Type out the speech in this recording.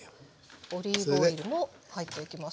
オリーブオイルも入っていきます。